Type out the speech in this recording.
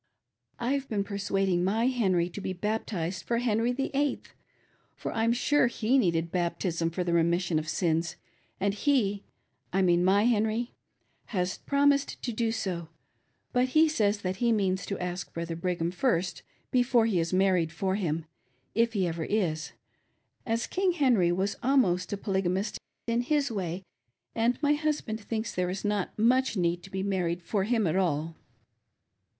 I've been persuading my Henry to be baptized for Henry the Eighth, for I'm sure he needed baptism for the' remission of sins ; and he — I mean my Henry — has promised me to do so ; but he says that he means to ask Brother Brigham first before he is married for him — if ever he is — as King Henry was almost a polygamist in his way, and my husband thinks there is not much need to be married for him at all."